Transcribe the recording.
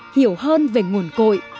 hiểu hơn về nguồn cội